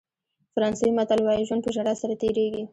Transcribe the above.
فرانسوي متل وایي ژوند په ژړا سره تېرېږي.